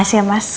makasih ya mas